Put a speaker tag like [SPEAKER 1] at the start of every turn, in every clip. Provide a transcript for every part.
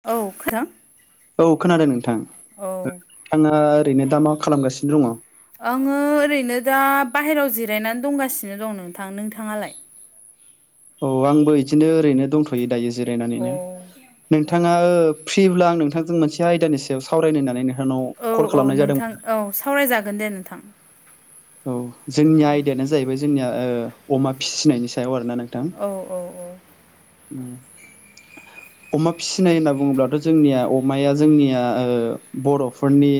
[SPEAKER 1] औ खोनादों
[SPEAKER 2] औ खोनादों नोंथां
[SPEAKER 1] औ
[SPEAKER 2] नोंथांङा ओरैनो दा मा खालामगासिनो दंङ'
[SPEAKER 1] आंङो ओरैनो दा बाहेरायाव जिरायनानै दंगासिनो दं नोंथां नोंथांङालाय
[SPEAKER 2] औ आंबो इदिनो ओरैनो दंथ'यो दायो
[SPEAKER 1] अ
[SPEAKER 2] जिरायनानैनो
[SPEAKER 1] औ
[SPEAKER 2] नोंथांङा ओ फ्रिब्ला आं नोंथांजों मोनसे आयदानि सायाव सावरायनो होनानैनो
[SPEAKER 1] औ औ नोंथां औ सावरायजागोन दे नोंथां
[SPEAKER 2] औ जोंनि आयदायानो जाहैबाय जोंनिया ओ अमा फिसिनायनि सायाव आरोना नों
[SPEAKER 1] औ औ औ
[SPEAKER 2] [unintelligible] अमा फिसिनाय होनना बुङोब्लाथ' जोंनिया अमाया जोंनिया ओ बर'फोरनि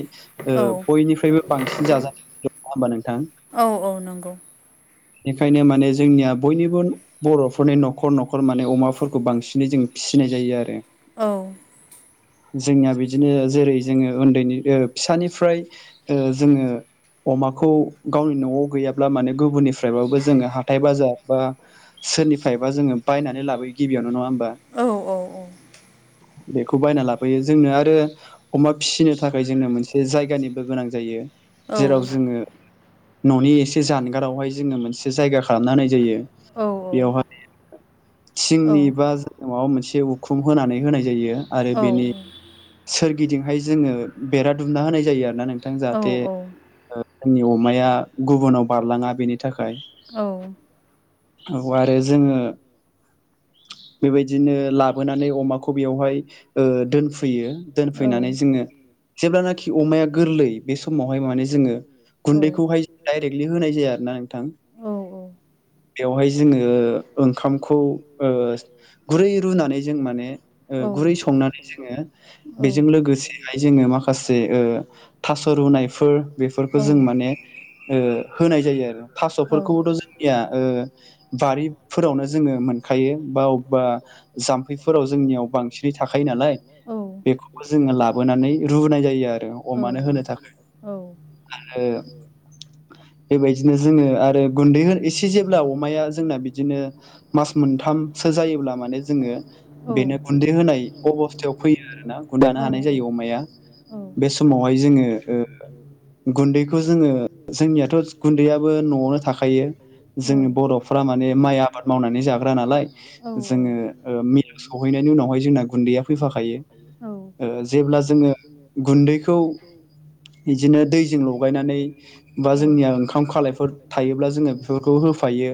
[SPEAKER 1] औ
[SPEAKER 2] ओ बयनिफ्रायबो बांसिन जाजानाय [unintelligible]
[SPEAKER 1] औ औ नंगौ
[SPEAKER 2] बेखायनो माने जोंनिया बयनिबो बर'फोरनि न'खर न'खर माने अमाफोरखौ बांसिनै जों फिसिनाय जायो आरो
[SPEAKER 1] औ
[SPEAKER 2] जोंनिया बिदिनो जेरै जोंङो उन्दैनि फिसानिफ्राय ओ जोंङो अमाखौ गावनि न'आव गैयाब्ला माने गुबुननि बाबो जोंङो हाथायाइ बाजार बा सोरनिफ्रायबा जोंङो बायनानै लाबोयो गिबियावनो नंङा होमबा
[SPEAKER 1] औ औ
[SPEAKER 2] बेखौ बायना लाबोयो जोंनो आरो अमा फिसिनो थाखाय जोंनो मोनसे जायगानिबो गोनां जायो
[SPEAKER 1] औ
[SPEAKER 2] जेराव जोंङो। न'नि एसे जानगारावहाय जोनो मोनसे जायगा खालामना होननाय जायो
[SPEAKER 1] औ औ
[SPEAKER 2] बेयावहाय
[SPEAKER 1] औ
[SPEAKER 2] थिंनि बा न'आव मोनसे उखुम होनानै होनाय जायो आरो
[SPEAKER 1] औ औ
[SPEAKER 2] बेनि सोरगिदिंहाय जोंङो बेरा दुमना होनाय जायो आरो ना नोंथां जाहाथे जोंनि अमाया गुबुनाव बारलांङा बेनि थाखाय
[SPEAKER 1] औ
[SPEAKER 2] औ आरो जोङो बेबायदिनो लाबोनानै अमाखौ बेवहाय दोनफैयो दोनफैनानै जोङो जेब्लानाखि अमाया गोरलै बे समावहाय माने जोङो गुन्दैखौहाय डायरेक्टलि होनाय जाया आरो ना नोंथां बेवहाय जोङो ओंखामखौ गुरै रुनानै जों माने गुरै संनानै जोङो बेजों लोगोसेहाय जोङो माखासे थास' रुनायफोर बेफोरखौ जों
[SPEAKER 1] औ
[SPEAKER 2] माने होनाय जायो आरो
[SPEAKER 1] औ
[SPEAKER 2] थास'फोरखौबोथ' जोंनिया बारिफोरावनो जोङो मोनखायो बा अबबा जाम्फैफोराव जोंनियाव बांसिनै थाखायो नालाय बेखौबो जोङो लाबोनानै रुनाय जायो आरो अमानो होनो थाखाय आरो बे बायदिनो जोङो आरो गुन्दैहोन एसे जेब्ला अमाया जोंना बिदिनो मास मोनथामसो जायोब्ला माने जोङो बेनो गुन्दै होनाय अबस्थायाव फैयो आरो ना गुन्दानो हानाय जायो अमाया बे समावहाय जोङो गुन्दैखौ जोङो जोंनियाथ' गुन्दैया बो न'आवनो थाखायो जोंनि बर'फ माने माइ आबाद मावनानै जाग्रा नालाय जोङो ओ मिल सौहैनायनि उनावहाय जोंना गुन्दैया फैफाखायो। ओ जेब्ला जोङो गुन्दैखौ बिदिनो दैजों लगायनानै बा जोंनिया ओंखाम खालाय फोर थायोब्ला जोङो बेफोरखौ होफायो।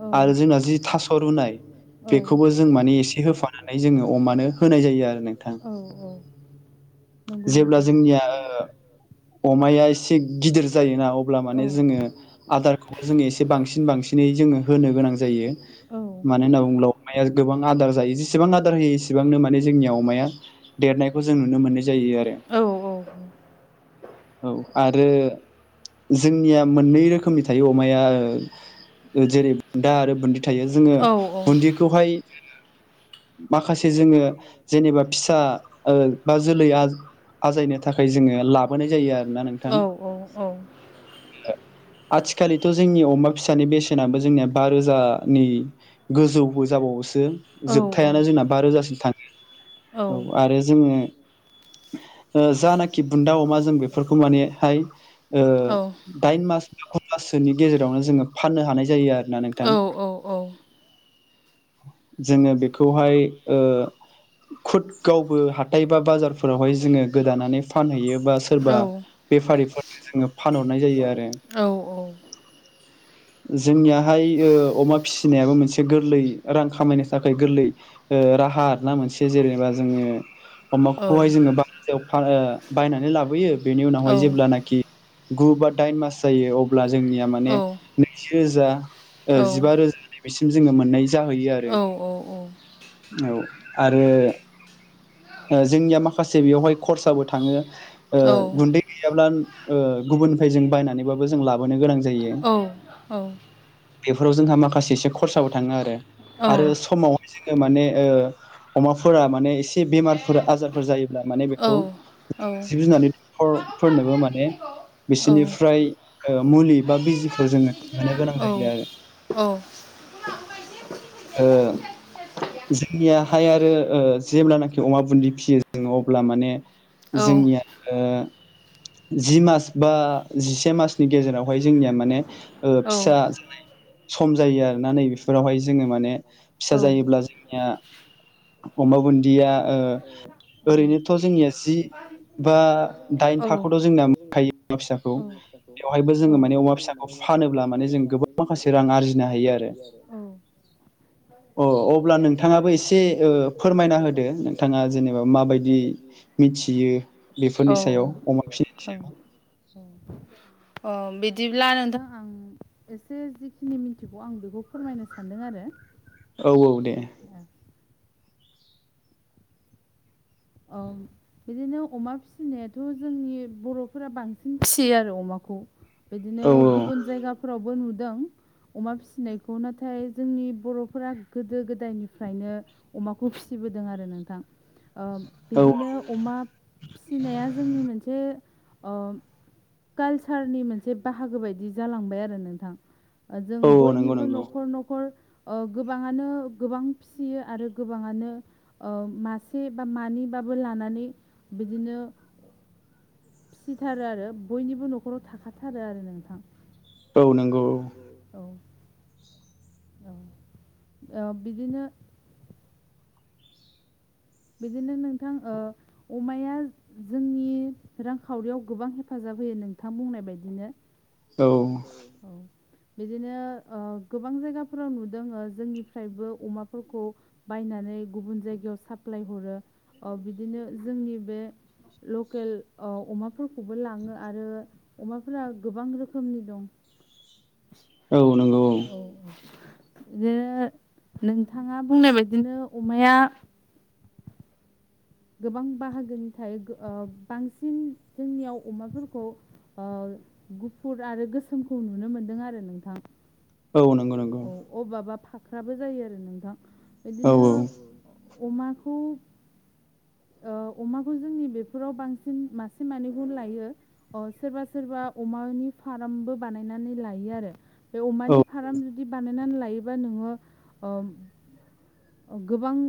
[SPEAKER 1] औ
[SPEAKER 2] आरो जोंना जि थास' रुनाय
[SPEAKER 1] औ
[SPEAKER 2] बेखौबो जों माने एसे होफानानै जोङो अमानो होनाय जायो आरो नोंथां
[SPEAKER 1] आरो औ नंगौ
[SPEAKER 2] जेब्ला
[SPEAKER 1] नोंथां
[SPEAKER 2] जोंनिया ओ अमाया एसे गिदिर जायोना अब्ला
[SPEAKER 1] औ
[SPEAKER 2] माने जोङो आदारखौ जोङो एसे बांसिन बांसिनै जोङो होनो गोनां जायो।
[SPEAKER 1] औ
[SPEAKER 2] मानो होनना बुङोब्ला अमाया गोबां आदार जायो जेसेबां आदार होयो एसेबांनो माने जोंनियाव अमाया देरनायखौ जों नुनो मोननाय जायो आरो
[SPEAKER 1] औ
[SPEAKER 2] औ आरो जोंनिया मोननै रोख खोमनि थायो अमाया ओ जेरै बुन्दा आरो बुन्दि थायो जोङो
[SPEAKER 1] औ औ
[SPEAKER 2] बुन्दिखौहाय जोङो माखासे जोङो जेनेबा फिसा ओ बा जोलै आज आजायनो थाखाय जोङो लाबोनाय जायो आरो
[SPEAKER 1] औ औ औ
[SPEAKER 2] आथिखालिथ' जोंनि अमा फिसानि बेसेनाबो जोंनिया बा रोजानि गोजौबो जाबावबायसो दो जोबथायानो जोंना बा रोजासिम थाङो औ आरो जोङो ओ जानाखि बुन्दा अमा जों बेफोरखौ मानेहाय ओ दाइन मास बा गु माससोनि गेजेरावनो जोङो फाननो हानाय जायो आरो
[SPEAKER 1] औ औ औ
[SPEAKER 2] जोङो बेखौहाय ओ खुद गावबो हाथाइ बा बाजार फोरावहाय जोङो गोदानानै फानहैयोबा सोरबा बेफारिफोरनो जोङो फानहरनाय जायो आरो
[SPEAKER 1] औ औ
[SPEAKER 2] जोंनियाहाय ओ अमा फिसिनायाबो मोनसे गोरलै रां खामायनो थाखाय गोरलै ओ राहा आरो ना मोनसे जेनेबा जोङो
[SPEAKER 1] औ
[SPEAKER 2] अमाखौहाय जोङो बारोजायाव बा ओ बायनानै लाबोयो बेनि उनावहाय जेब्लानाखि गु बा दाइन मास जायो अब्ला जोंनिया माने नैजि रोजा ओ जिबा रोजा बेसिम जोङो मोननाय जाहैयो आरो औ आरो ओ जोंनिया माखासे बेयावहाय खरसाबो थाङो ओ गुन्दै गैयाब्ला ओ गुबुननिफ्राय जों बायनानैबाबो जों लाबोनो गोनां जायो।
[SPEAKER 1] औ।
[SPEAKER 2] बेफोराव जोंहा माखासे एसे खरसाबो थाङो आरो। आरो समावहाय जोङो माने ओ अमाफोरा माने एसे बेमारफोर आजारफोर जायोब्ला माने बेखौ जिब जुनारनि फर
[SPEAKER 1] औ
[SPEAKER 2] फोरनोबो माने
[SPEAKER 1] औ
[SPEAKER 2] बिसिनिफ्राय ओ मुलि बा
[SPEAKER 1] ओइ
[SPEAKER 2] बिजिखौ
[SPEAKER 1] लारु
[SPEAKER 2] जोङो
[SPEAKER 1] गिदिर गिदिरा
[SPEAKER 2] होनो गोनां
[SPEAKER 1] औ
[SPEAKER 2] जायो आरो।
[SPEAKER 1] औ। लाबोबा एसे खुथि
[SPEAKER 2] ओ
[SPEAKER 1] खुथियानो फिसा फिसा फिसा गैया
[SPEAKER 2] जोंनिया हाय आरो ओ जेब्लाना अमा बुन्दि फियो जोङो अब्ला माने
[SPEAKER 1] औ
[SPEAKER 2] जोंनिया ओ जि मास बा जिसे मासनि गेजेरावहाय जोंनिया माने ओ
[SPEAKER 1] औ
[SPEAKER 2] फिसा जानाय सम जायो आरोना नै बेफोरावहाय जोङो माने फिसा जायोब्ला जोंनिया अमा बुन्दिया ओ ओरैनोथ' जोंनिया जि
[SPEAKER 1] औ।
[SPEAKER 2] बा दाइन थाखौथ' जोंना मोनखायो फिसाखौ। बेवहायबो जोङो माने अमा फिसाखौ फानोब्ला माने जों गोबां माखासे रां आरजिनो हायो आरो। अ अब्ला नोंथाङाबो एसे ओ फोरमायना होदो नों बिथाङा जेनेबा माबायदि मिथियो बेफोरनि सायाव अमा फिनायनि सायाव?
[SPEAKER 1] अ बिदिब्ला नोंथां आं एसे जिखिनि मिथिगौ आं बेखौ फोरमायनो सानदों आरो।
[SPEAKER 2] औ औ दे
[SPEAKER 1] ओं। बिदिनो अमा फिसिनायाथ' जोंनि बर'फोरा बांसिन फिसियो आरो अमाखौ। बिदिनो
[SPEAKER 2] औ
[SPEAKER 1] गुबुन जायगाफोरावबो नुदों। अमा फिसिनायखौ नाथाय जोंनि बर'फोरा गोदो गोदायनिफ्रायनो अमाखौ फिसिबोदों आरो नोंथां। ओ
[SPEAKER 2] औ
[SPEAKER 1] बिदिनो अमा फिनाया जोंनि मोनसे ओ कालसारनि मोनसे बाहागो बायदि जालांबाय आरो नोंथां। जों
[SPEAKER 2] औ औ नंगौ
[SPEAKER 1] बयनिबो
[SPEAKER 2] नंगौ
[SPEAKER 1] न'खर-न'खर ओ गोबाङानो गोबां फिसियो आरो गोबाङानो ओ मासे बा मानै बाबो लानानै बिदिनो फिसिथारो आरो बयनिबो न'खराव थाखाथारो आरो नोंथां औ नंगौ। औ। औ ओ बिदिनो बिदिनो नोंथां ओ अमाया जोंनि रांखावरियाव गोबां हेफाजाब होयो नोंथां बुंनाय बायदिनो।
[SPEAKER 2] औ।
[SPEAKER 1] औ बिदिनो ओ गोबां जायगाफोराव नुदों जोंनिफ्रायबो अमाफोरखौ बायनानै गुबुन जायगायाव साप्लाय हरो ओ बिदिनो जोंनि बे लकेल अ अमाफोरखौबो लाङो आरो अमाफोरा गोबां रोखोमनि दं।
[SPEAKER 2] औ नंगौ
[SPEAKER 1] औ-औ। इदिनो नोंथाङा बुंनाय बायदिनो अमाया गोबां बाहागोनि थायो ओ बांसिन जोंनियाव अमाफोरखौ ओ गुफुर आरो गोसोमखौ नुनो मोनदों आरो नोंथां।
[SPEAKER 2] औ औ नंगौ नंगौ
[SPEAKER 1] औ अबबा फाख्राबो जायो आरो नोंथां
[SPEAKER 2] औ
[SPEAKER 1] बिदिनो
[SPEAKER 2] औ
[SPEAKER 1] अमाखौ ओ अमाखौ जोंनि बेफोराव बांसिन मासे मानैखौ लायो। अ सोरबा सोरबा अमानि फारामबो बानायनानै लायो आरो। बे अमानि
[SPEAKER 2] औ
[SPEAKER 1] फाराम जुदि बानायनानै लायोबा नोङो ओम अ गोबां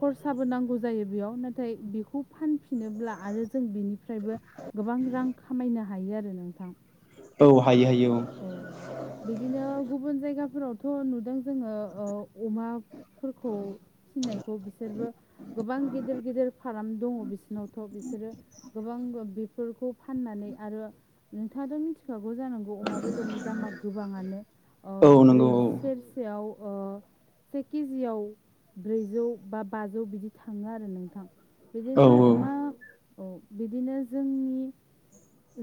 [SPEAKER 1] खरसाबो नांगौ जायो बेयाव नाथाय बेखौ फानफिनोब्ला आरो जों बेनिफ्रायबो गोबां रां खामायनो हायो आरो नोंथां
[SPEAKER 2] औ हायो हायो
[SPEAKER 1] [unintelligible] औ बेदिनो गुबुन जायगाफोरावथ' नुदों जोङो ओ अमा फोरखौ फिनायखौ बिसोरबो गोबां गिदिर गिदिर फाराम दङ' बिसिनावथ' बिसोरो गोबांबो बेफोरखौ फाननानै आरो नोंथाङाथ' मिनथिखागौ जानांगौ अमा बेदरनि दामा गोबाङानो ओ
[SPEAKER 2] औ औ नंगौ
[SPEAKER 1] ब्रैज
[SPEAKER 2] औ
[SPEAKER 1] सेरसेयाव ओ से केजियाव ब्रैजौ बा बाजौ बिदि थाङो आरो नोंथां। बिदिनो
[SPEAKER 2] औ औ
[SPEAKER 1] अमा औ बिदिनो जोंनि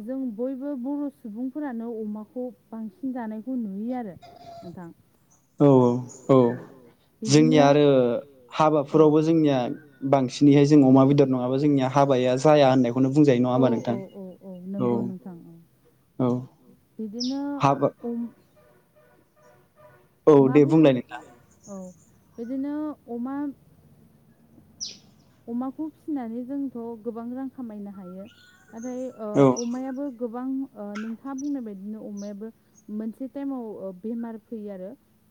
[SPEAKER 1] जों बयबो बर' सुबुंफोरानो अमाखौ बांसिन जानायखौ नुयो आरो। नोंथां
[SPEAKER 2] औ औ औ
[SPEAKER 1] बिदिनो
[SPEAKER 2] जोंनिया आरो
[SPEAKER 1] औ
[SPEAKER 2] हाबाफोरावबो जोंनिया बांसिनैहाय जों अमा बेदर नङाबा जोंनि हाबाया जाया होननायखौनो बुंजायो नङा
[SPEAKER 1] औ
[SPEAKER 2] होमबा
[SPEAKER 1] औ
[SPEAKER 2] नोंथां?
[SPEAKER 1] औ औ नोंगौ नोंथां
[SPEAKER 2] औ
[SPEAKER 1] बिदिनो
[SPEAKER 2] हाबा
[SPEAKER 1] अम
[SPEAKER 2] औ
[SPEAKER 1] मा
[SPEAKER 2] दे
[SPEAKER 1] बुंनो
[SPEAKER 2] बुंलाय नोंथां
[SPEAKER 1] औ बिदिनो अमा अमाखौ फिसिनानै जोंथ' गोबां रां खामायनो हायो। नाथाय ओ
[SPEAKER 2] औ
[SPEAKER 1] अमायाबो गोबां ओ नोंथाङा बुंनाय बायदिनो अमायाबो मोनसे टाइमाव ओ बेमार फैयो आरो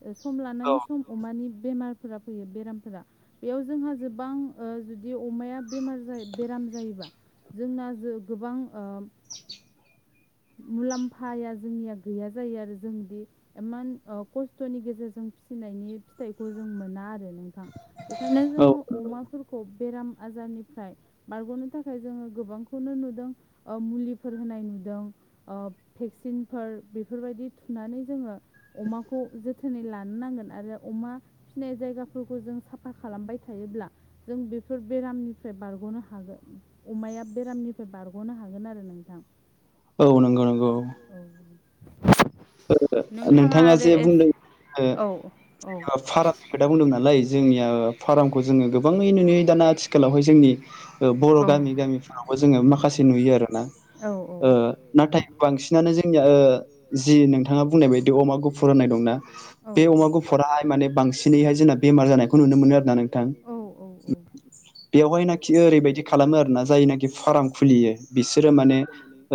[SPEAKER 1] ओ सम लानानै सम अमानि बेमारफोरा फैयो बेरामफोरा बेयाव जोंहा जोबां ओ जुदि अमाया बेमार जायो बेराम जायोबा जोंना जो गोबां ओम मुलाम्फाया जोंनिया गैया जायो आरो जोंदि एमान ओ खस्थ'नि गेजेरजों फिसिनायनि फिथाइखौ जों मोना आरो नों थां बेखायनो
[SPEAKER 2] औ
[SPEAKER 1] जोङो अमाफोरखौ बेराम आजारनिफ्राय बारग'नो थाखाय जोङो गोबांखौनो नुदों ओ मुलिफोर होनाय नुदों ओ भेक्सिनफोर बेफोरबायदि थुनानै जोङो अमाखौ जोथोनै लानो नांगोन आरो अमा फिनाय जायगाफोरखौ जों साफा खालामबाय थायोब्ला जों बेफोर बेरामनिफ्राय बारग'नो हागो अमाया बेरामनिफ्राय बारग'नो हागोन आरो नोंथां।
[SPEAKER 2] औ नंगौ नंगौ।
[SPEAKER 1] औ।
[SPEAKER 2] ओ नोंथाङा
[SPEAKER 1] आरो
[SPEAKER 2] जे
[SPEAKER 1] एस
[SPEAKER 2] बुंदों ओ
[SPEAKER 1] औ औ
[SPEAKER 2] [unintelligible] खोथा बुंदोंमोन नालाय जोंनिया फारामखौ जोङो गोबाङै नुनै दाना आथिखालावहाय जोंनि ओ बर'
[SPEAKER 1] औ
[SPEAKER 2] गामि गामिफोरावबो जोङो माखासे नुयो आरोना
[SPEAKER 1] औ
[SPEAKER 2] ओ नाथाय बांसिनानो जोंनिया ओ जि नोंथाङा बुंनाय बायदि अमा गुफुर होननाय दंना
[SPEAKER 1] औ
[SPEAKER 2] बे अमा गुफुराहाय माने बांसिनैहाय जोंना बेमार जानायखौ नुनो मोनो आरोना नोंथां।
[SPEAKER 1] नोंथां
[SPEAKER 2] [unintelligible] बेवहायनाखि ओरैबायदि खालामो आरोना जायनाखि फार्म खुलियो बिसोरो माने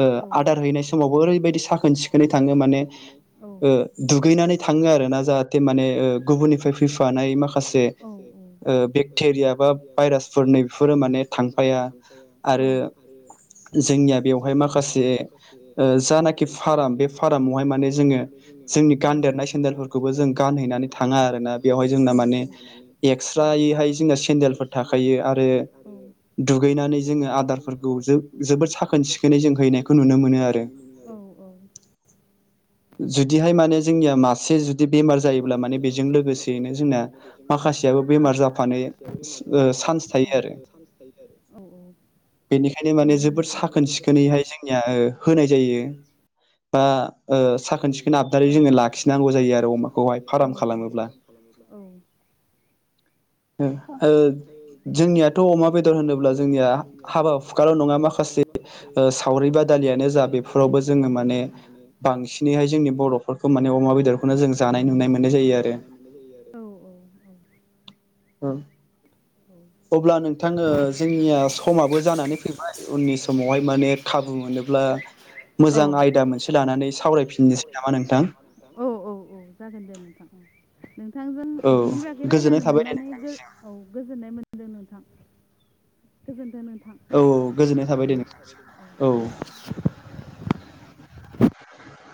[SPEAKER 2] ओ आदार हैनाय समावबो ओरैबायदि साखोन- सिखोनै थां [unintelligible] माने
[SPEAKER 1] औ
[SPEAKER 2] ओ
[SPEAKER 1] ओ
[SPEAKER 2] दुगैनानै थाङो आ रोना जाहाथे माने ओ गुबुननिफाय फैफानाय माखासे ओ बेक्थेरिया बा बाइरास
[SPEAKER 1] भाइरासफोर नैफोरो माने थांफाया औ
[SPEAKER 2] आरो
[SPEAKER 1] आरो
[SPEAKER 2] जोंनिया बेवहाय माखासे ओ जानाकि फाराम बेफ फारामावहाय माने जोङो जोंनि गानदेरनाय सेन्देलफोरखौ खौबो जों गानहैनानै थाङो आरोना बेवहाय जोंना माने एक्स्रायैहाय जोंना सेन्देलफोर
[SPEAKER 1] सेन्देलफोर थाखायो आरो
[SPEAKER 2] दुगैनानै जोङो आदारफोरखौ जोबोद साखोन सिखोनै जों हैनायखौ नुनो मोनो आरो।
[SPEAKER 1] औ औ
[SPEAKER 2] जुदिहाय माने जोंनिया मासे जुदि बेमार जायोब्ला माने बेजों लोगोसेयैनो जोंना माखासेयाबो बेमार जाफानो
[SPEAKER 1] [unintelligible]
[SPEAKER 2] ओ
[SPEAKER 1] बेमार जाफानो
[SPEAKER 2] थायो आरो
[SPEAKER 1] चान्स थायो आरो औ -औ
[SPEAKER 2] बेनिखायनो माने जोबोद साखोन सिखोनैहाय जों होनाय जायो बा ओ साखोन - सिखोन आ दारै जोङो लाखिनांगौ जायो आरो अमाखौहाय फार्म खालामोब्ला। [inaudible] ओ जोंनियाथ' अमा बेदर होनोब्ला जोंनिया हाबा हुखााल' नङा माखासे ओ‌ सावरि बादालियानो जा बेफोरावबो जोङो माने बांसिनैहाय जोंनि बर'फोरखौ माने अमा बेदरखौनो जों जानाय नुनाय मोननाय जायो आरो।
[SPEAKER 1] आरो
[SPEAKER 2] औ। अब्ला नोंथाङो जोंनिया समाबो जानानै फैबाय उननि समावहाय माने खाबु मोनोब्ला
[SPEAKER 1] औ
[SPEAKER 2] मोजां आयदा मोनसे लानानै सावरायफिननोसै नामा नोंथां।
[SPEAKER 1] औ- औ- औ जागोन दे नोंथां औ। नोंथांजों
[SPEAKER 2] औ
[SPEAKER 1] बिनि बागै
[SPEAKER 2] गोजोननाय
[SPEAKER 1] राय्लायनो
[SPEAKER 2] थाबाय दे
[SPEAKER 1] मोननानै औ गोजोननाय मोनदों नोंथां। गोजोन्थो नोंथां।
[SPEAKER 2] औ -औ गोजोननाय थाबाय दे औ।
[SPEAKER 1] [inaudible]